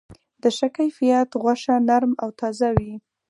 د ښه کیفیت غوښه نرم او تازه وي.